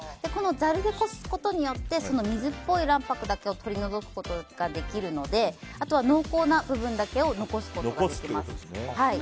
ざるでこすことによって水っぽい卵白だけを取り除くことができるのであとは濃厚な部分だけを残すことだできます。